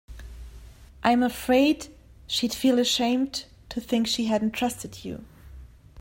I'm afraid she'd feel ashamed to think she hadn't trusted you.